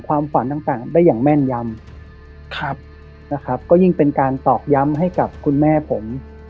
ความฝันต่างได้อย่างแม่นยำครับนะครับก็ยิ่งเป็นการตอกย้ำให้กับคุณแม่ผม